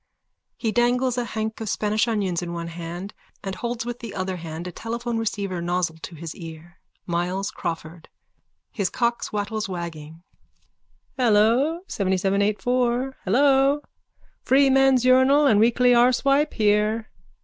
He dangles a hank of Spanish onions in one hand and holds with the other hand a telephone receiver nozzle to his ear.)_ MYLES CRAWFORD: (His cock's wattles wagging.) Hello, seventyseven eightfour. Hello. Freeman's Urinal and Weekly Arsewipe here.